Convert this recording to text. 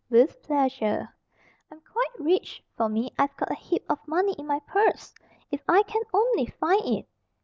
"With pleasure." "I'm quite rich, for me. I've got a heap of money in my purse, if I can only find it."